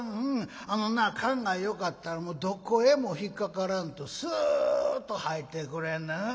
あのな燗がよかったらどこへも引っ掛からんとすーっと入ってくれんねん。